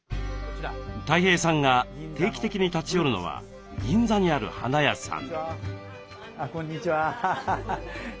たい平さんが定期的に立ち寄るのは銀座にある花屋さん。